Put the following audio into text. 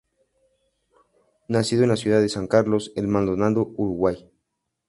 Nacido en la ciudad de San Carlos en Maldonado, Uruguay.